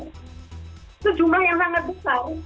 itu jumlah yang sangat besar